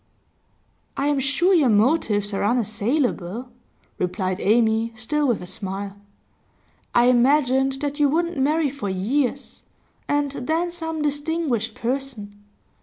'I am sure your motives are unassailable,' replied Amy, still with a smile. 'I imagined that you wouldn't marry for years, and then some distinguished person.